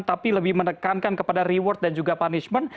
tapi lebih menekankan kepada reward dan juga punishment